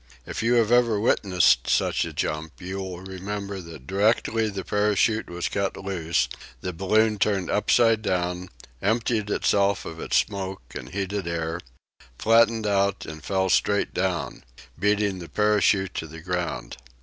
If you have ever witnessed such a jump, you will remember that directly the parachute was cut loose the balloon turned upside down, emptied itself of its smoke and heated air, flattened out and fell straight down, beating the parachute to the ground.